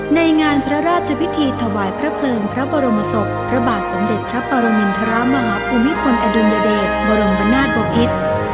ในงานพระราชพิธีถวายพระเพลิงพระบรมศพพระบาทสมเด็จพระปรมินทรมาฮภูมิพลอดุลยเดชบรมนาศบพิษ